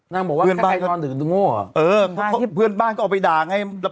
นางบอกว่าถ้าใครนอนดึกโง่หรอเออเพื่อนบ้านก็เอาไปด่าไง